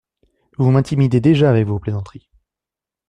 Vous m’intimidez déjà avec vos plaisanteries.